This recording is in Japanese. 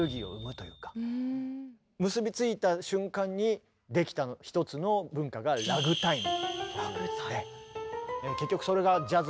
結び付いた瞬間に出来た一つの文化がラグタイム？